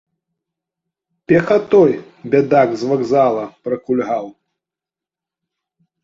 Пехатой, бядак, з вакзала пракульгаў?